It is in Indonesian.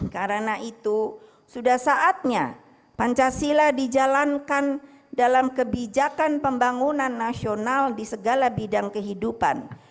karena itu sudah saatnya pancasila dijalankan dalam kebijakan pembangunan nasional di segala bidang kehidupan